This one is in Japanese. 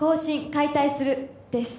・解体するです